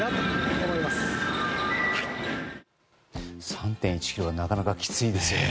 ３．１ｋｍはなかなかきついですよね。